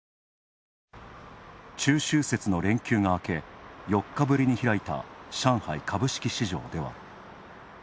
中秋節の連休があけ、４日ぶりに開いた上海株式市場では。